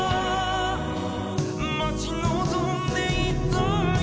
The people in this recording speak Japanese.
「待ち望んでいたい」